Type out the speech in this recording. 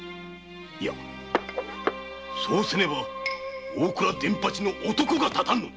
いやそうせねば大蔵伝八の男が立たんのだ！